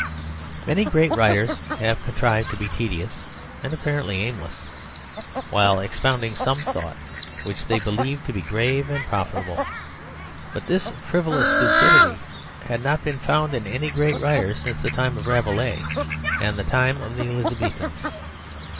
Many great writers have contrived to be tedious, and apparently aimless, while expounding some thought which they believed to be grave and profitable; but this frivolous stupidity had not been found in any great writer since the time of Rabelais and the time of the Elizabethans.